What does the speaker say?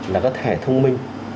là các thẻ thông minh